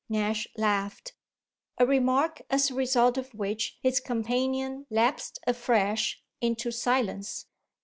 Nash laughed; a remark as a result of which his companion lapsed afresh into silence.